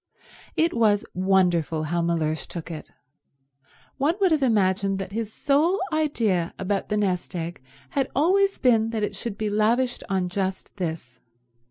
It was wonderful how Mellersh took it. One would have imagined that his sole idea about the nest egg had always been that it should be lavished on just this.